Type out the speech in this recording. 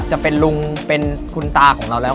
จะเป็นลุงเป็นคุณตาของเราแล้ว